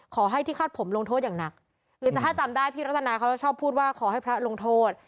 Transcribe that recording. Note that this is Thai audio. ขอให้ที่คาดผมลงโทษอย่างหนักหรือถ้าจำได้พี่รัตนาเขาจะชอบพูดว่าขอให้พระลงโทษ